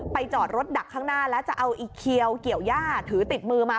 จอดรถดักข้างหน้าแล้วจะเอาอีเขียวเกี่ยวย่าถือติดมือมา